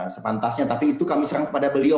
sepantasnya tapi itu kami serahkan kepada beliau